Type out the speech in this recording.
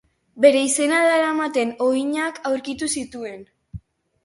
Bere izena daramaten uhinak aurkitu zituen.